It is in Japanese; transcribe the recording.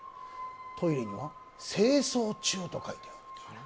トイレには「清掃中」と書いてある。